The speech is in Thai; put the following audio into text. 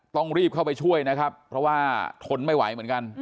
ต้องรีบเข้าไปช่วยนะครับเพราะว่าทนไม่ไหวเหมือนกัน